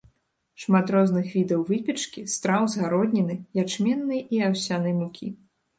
Шмат розных відаў выпечкі, страў з гародніны, ячменнай і аўсянай мукі.